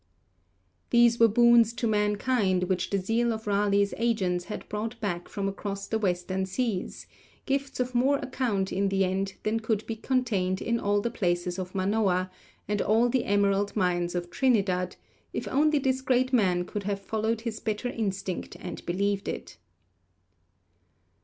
These were boons to mankind which the zeal of Raleigh's agents had brought back from across the western seas, gifts of more account in the end than could be contained in all the palaces of Manoa, and all the emerald mines of Trinidad, if only this great man could have followed his better instinct and believed it.